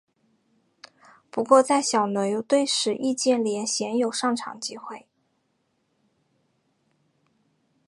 不过在小牛队时易建联鲜有上场机会。